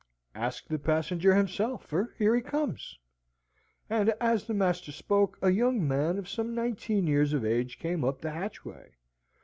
"Ask the passenger himself, for here he comes." And, as the master spoke, a young man of some nineteen years of age came up the hatchway.